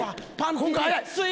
今回速い！